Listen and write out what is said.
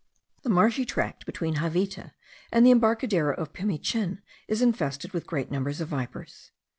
The marshy tract between Javita and the embarcadero of Pimichin is infested with great numbers of vipers.